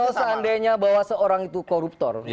kalau seandainya bahwa seorang itu koruptor